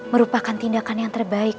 merupakan tindakan yang terbaik